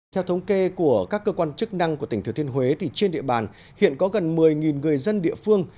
theo thống kê của các cơ quan chức năng của tỉnh thừa thiên huế trên địa bàn hiện có gần một mươi người dân địa phương